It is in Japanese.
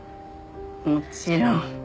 もちろん。